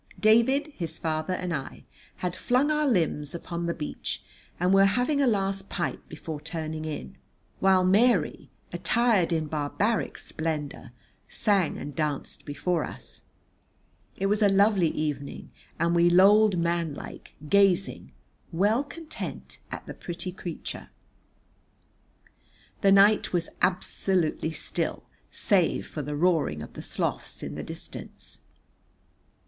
David, his father and I had flung our limbs upon the beach and were having a last pipe before turning in, while Mary, attired in barbaric splendour, sang and danced before us. It was a lovely evening, and we lolled manlike, gazing, well content, at the pretty creature. The night was absolutely still save for the roaring of the Sloths in the distance.